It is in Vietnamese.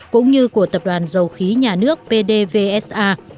cũng như của tập đoàn dầu khí nhà nước pdvsa